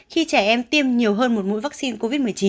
khi trẻ em tiêm nhiều hơn một mũi vắc xin covid một mươi chín